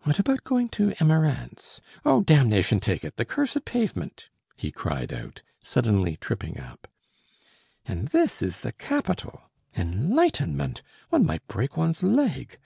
What about going to Emerance? Oh, damnation take it, the cursed pavement!" he cried out, suddenly tripping up. "And this is the capital. Enlightenment! One might break one's leg.